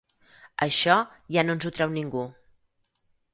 Això ja no ens ho treu ningú.